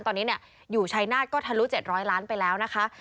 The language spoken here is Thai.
ตอนนี้อยู่ชายนาฏก็ทะลุ๗๐๐ล้านไปแล้วนะคะ